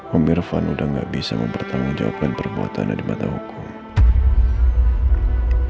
om irfan sudah tidak bisa mempertanggungjawabkan perbuatan yang dimata hukum